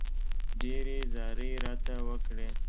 ډېرې زارۍ راته وکړې.